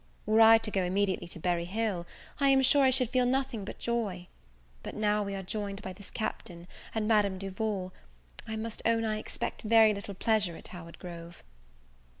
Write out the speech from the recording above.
Were I to go immediately to Berry Hill, I am sure I should feel nothing but joy; but, now we are joined by this Captain, and Madame Duval, I must own I expect very little pleasure at Howard Grove.